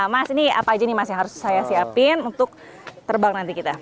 mas ini apa saja yang harus saya siapkan untuk terbang nanti kita